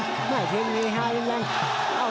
เจ้าหมัดเจ้าแข้งประหลาดเหมือนกัน